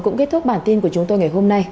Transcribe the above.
cũng kết thúc bản tin của chúng tôi ngày hôm nay